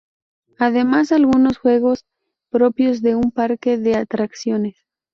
Además algunos juegos propios de un parque de atracciones.